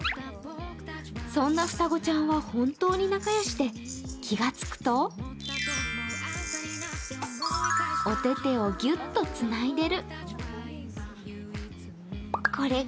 そんな双子ちゃんは本当に仲よしで、気がつくとおててをぎゅっとつないでる。